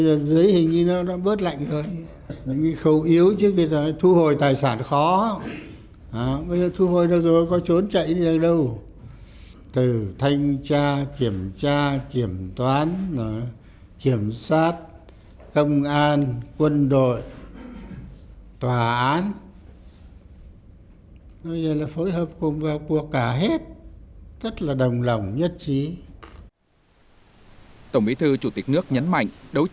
tổng bí thư chủ tịch nước nguyễn phú trọng nêu rõ quyết tâm thực hiện cho bằng được